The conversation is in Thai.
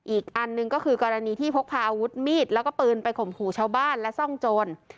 อีกอันหนึ่งก็คือกรณีที่พกพาอาวุธมีดแล้วก็ปืนไปข่มขู่ชาวบ้านและซ่องโจร